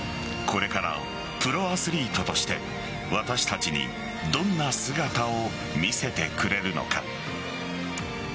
これからプロアスリートとして私たちにどんな姿を見せてくれるのか。